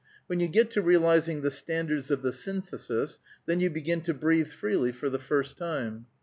When you get to realizing the standards of the Synthesis, then you begin to breathe freely for the first time.